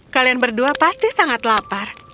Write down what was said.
kalian berdua pasti sangat lapar